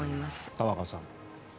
玉川さん。